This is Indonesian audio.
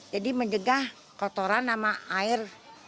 jadi menjegah kotoran sama air